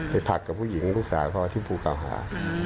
ไปผลักกับผู้หญิงรู้สึกว่าคือภูเกาหา